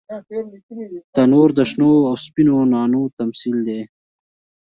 تنور د شنو او سپینو نانو تمثیل دی